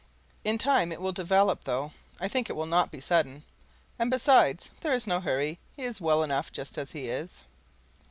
In time it will develop, though I think it will not be sudden; and besides, there is no hurry; he is well enough just as he is.